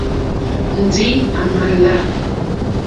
Ndí à mà lá.